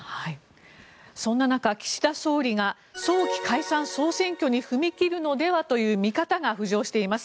そんな中岸田総理が早期解散・総選挙に踏み切るのではという見方が浮上しています。